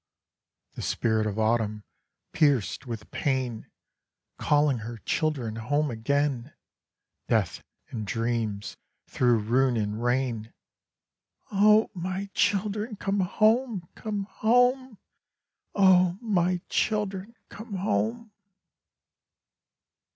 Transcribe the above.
The Spirit of Autumn, pierced with pain, Calling her children home again, Death and Dreams, through ruin and rain, "O my children, come home, come home! O my children, come home!"